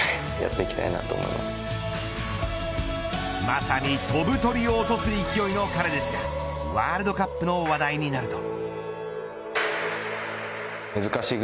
まさに飛ぶ鳥を落とす勢いの彼ですがワールドカップの話題になると。